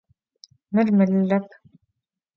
Mır melılep.